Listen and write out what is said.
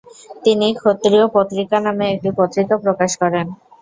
তিনি ক্ষত্রিয় পত্রিকা নামে একটি পত্রিকা প্রকাশ করেন।